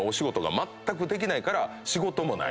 まったくできないから仕事もない。